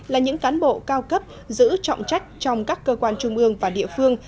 là những cán bộ cao cấp giữ trọng trách trong các cơ quan trung ương và địa phương